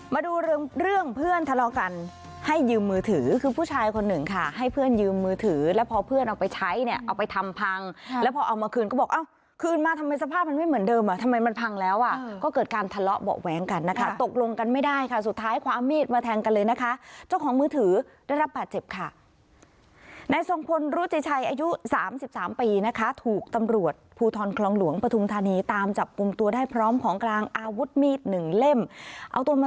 มาดูเรื่องเพื่อนทะเลาะกันให้ยืมมือถือคือผู้ชายคนหนึ่งค่ะให้เพื่อนยืมมือถือแล้วพอเพื่อนเอาไปใช้เนี่ยเอาไปทำพังแล้วพอเอามาคืนก็บอกเอ้าคืนมาทำไมสภาพมันไม่เหมือนเดิมอ่ะทำไมมันพังแล้วอ่ะก็เกิดการทะเลาะเบาะแหวงกันนะคะตกลงกันไม่ได้ค่ะสุดท้ายความมีดมาแทงกันเลยนะคะเจ้าของมือถือได้รับผ่าเจ็บ